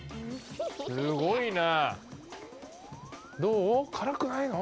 すごいな。